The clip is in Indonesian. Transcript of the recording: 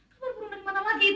kabar burung dari mana lagi itu